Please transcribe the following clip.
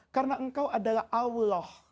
karena engkau adalah allah